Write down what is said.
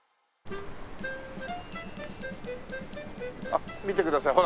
あっ見てください。